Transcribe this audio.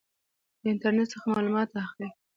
د انټرنټ څخه معلومات اخلئ؟